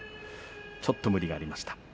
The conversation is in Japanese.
ちょっと無理がありました。